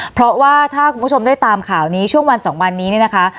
เพราะว่าถ้าคุณผู้ชมได้ตามข่าวนี้ช่วงวันสองวันนี้เนี่ยนะคะ